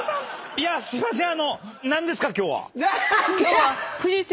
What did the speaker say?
いやすいません。